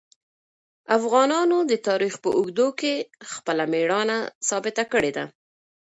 افغانانو د تاریخ په اوږدو کې خپل مېړانه ثابته کړې ده.